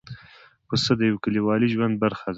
پسه د یوه کلیوالي ژوند برخه ده.